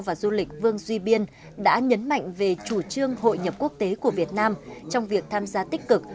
và du lịch vương duy biên đã nhấn mạnh về chủ trương hội nhập quốc tế của việt nam trong việc tham gia tích cực